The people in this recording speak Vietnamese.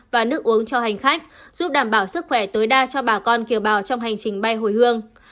và nước uống cho hành khách giúp đảm bảo sức khỏe tối đa cho bà con kiều bào trong hành trình bay hồi hương